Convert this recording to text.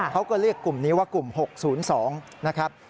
เขาก็เรียกกลุ่มนี้ว่ากลุ่ม๖๐๒นะครับ